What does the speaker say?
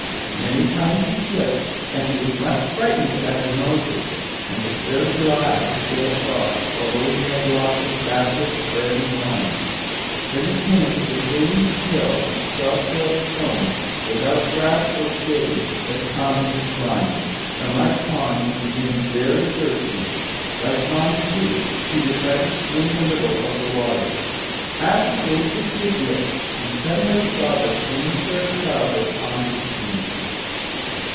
Many times he slipped, and he was much frightened at the noises, and was very glad to get across, although he had lost his basket of bread and wine. Then he came to the same hill of sharp, red stone, without grass or shade, that Hans had climbed. And like Hans he became very thirsty. Like Hans, too, he decided to drink a little of the water. As he raised it to his lips, he suddenly saw the same fair child that Hans had seen.